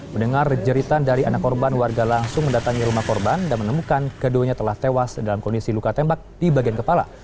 mendengar jeritan dari anak korban warga langsung mendatangi rumah korban dan menemukan keduanya telah tewas dalam kondisi luka tembak di bagian kepala